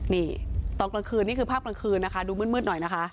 นี่ตอนกลางคืนนี่คือภาพกลางคืนนะคะดูมืดหน่อยนะคะ